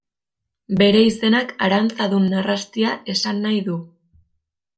Bere izenak arantzadun narrastia esan nahi du.